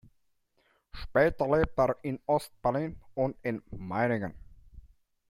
Später lebte er in Ost-Berlin und in Meiningen.